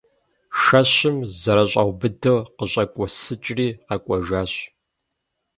Шэщым зэрыщӏаубыдэу, къыщӏэкӏуэсыкӏри къэкӏуэжащ.